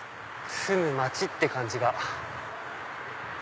住む町！って感じが。